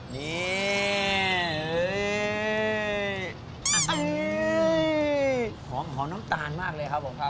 นี่หอมน้ำตาลมากเลยครับผมครับ